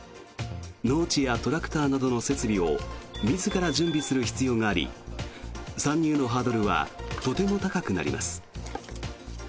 農地やトラクターなどの設備を自ら準備する必要があり参入のハードルはとても高くなります。